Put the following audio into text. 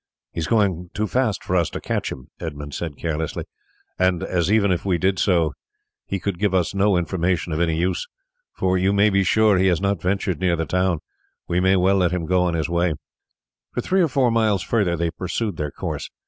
"He is going too fast for us to catch him," Edmund said carelessly; "and as, even if we did so, he could give us no information of any use, for you may be sure he has not ventured near the town, we may well let him go on in his way." For three or four miles further they pursued their course.